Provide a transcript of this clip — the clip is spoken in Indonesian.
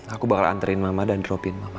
aku bakal anterin mama dan dropin mama